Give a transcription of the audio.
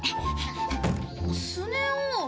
スネ夫。